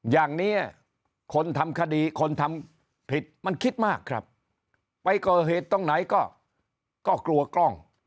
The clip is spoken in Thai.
อย่างนี้คนทำคดีคนทำผิดมันคิดมากครับไปก่อเหตุตรงไหนก็กลัวกล้อง